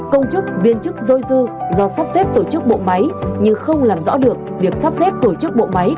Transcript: năm công chức viên chức dôi dư do sắp xếp tổ chức bộ máy nhưng không làm rõ được việc sắp xếp tổ chức bộ máy của cơ quan tổ chức đơn vị